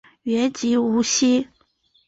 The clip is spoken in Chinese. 原籍无锡。